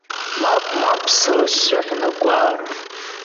Мап, мап, сара сзыҳәан агәаара.